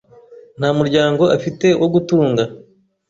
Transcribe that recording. Nta muryango afite wo gutunga .